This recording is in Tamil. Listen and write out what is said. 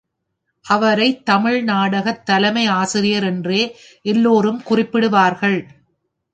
அவரைத் தமிழ் நாடகத் தலைமை ஆசிரியர் என்றே எல்லோரும் குறிப்பிடுவார்கள்.